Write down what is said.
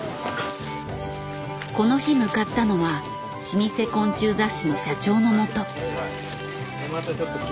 この日向かったのは老舗昆虫雑誌の社長のもと。